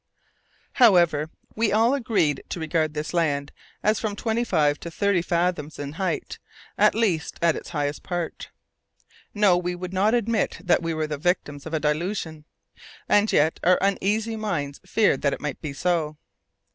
However, we all agreed to regard this land as being from twenty five to thirty fathoms in height, at least at its highest part. No! we would not admit that we were the victims of a delusion, and yet our uneasy minds feared that it might be so!